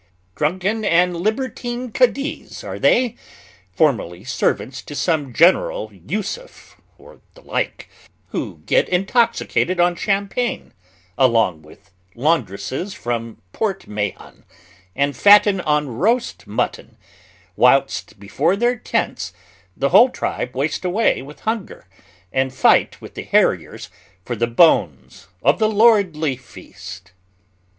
Drunken and libertine cadis are they, formerly servants to some General Yusuf or the like, who get intoxicated on champagne, along with laundresses from Port Mahon, and fatten on roast mutton, whilst before their tents the whole tribe waste away with hunger, and fight with the harriers for the bones of the lordly feast.